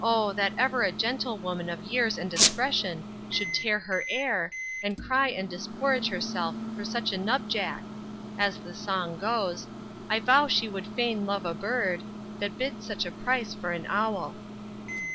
that ever a gentlewoman of years and discretion should tare her air, and cry and disporridge herself for such a nubjack! as the song goes I vow she would fain have a burd That bids such a price for an owl.